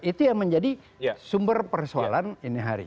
itu yang menjadi sumber persoalan ini hari